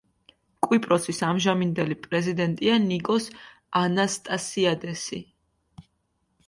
კვიპროსის ამჟამინდელი პრეზიდენტია ნიკოს ანასტასიადესი.